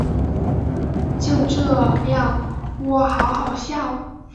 就这样喔好好笑